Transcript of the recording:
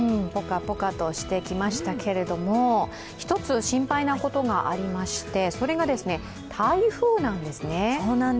ポカポカとしてきましたけれども、１つ心配なことがありまして、それが台風なんですね。